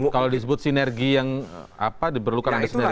kalau disebut sinergi yang apa diperlukan ada sinergi